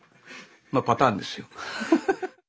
まあパターンですよ。